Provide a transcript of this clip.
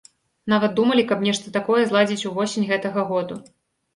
Нават думалі, каб нешта такое зладзіць ўвосень гэтага году.